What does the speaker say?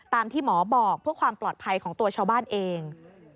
ที่หมอบอกเพื่อความปลอดภัยของตัวชาวบ้านเอง